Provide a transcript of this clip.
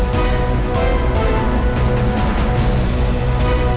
gok membangun satunya tuh cabet banget